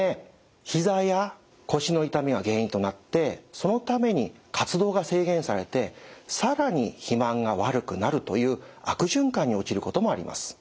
ひざや腰の痛みが原因となってそのために活動が制限されて更に肥満が悪くなるという悪循環に陥ることもあります。